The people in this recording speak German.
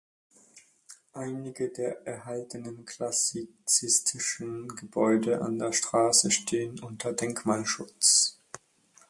Einige der erhaltenen klassizistischen Gebäude an der Straße stehen unter Denkmalschutz.